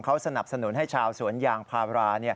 เขาสนับสนุนให้ชาวสวนยางพารา